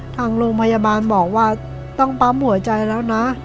ทางโรงพยาบาลบอกว่าต้องปั๊มหัวใจแล้วนะ